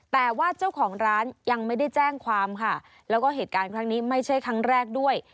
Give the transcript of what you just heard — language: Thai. แต่ว่าเจ้าของร้านยังไม่ได้แจ้งความค่ะแล้วก็เหตุการณ์ครั้งนี้ไม่ใช่ครั้งแรกด้วย